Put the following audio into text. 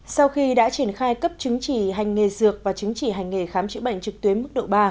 sau khi đã triển khai cấp chứng chỉ hành nghề dược và chứng chỉ hành nghề khám chữa bệnh trực tuyến mức độ ba